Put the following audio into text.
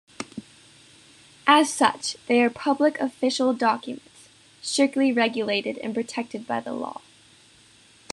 As such, they are Public Official documents, strictly regulated and protected by the law.